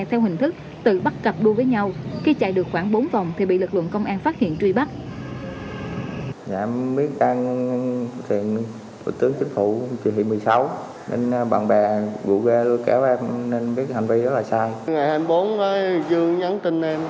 theo hình thức tự bắt cặp đua với nhau khi chạy được khoảng bốn vòng thì bị lực lượng công an phát hiện truy bắt